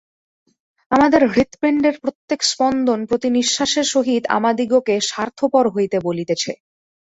আমাদের হৃৎপিণ্ডের প্রত্যেক স্পন্দন প্রতি নিঃশ্বাসের সহিত আমাদিগকে স্বার্থপর হইতে বলিতেছে।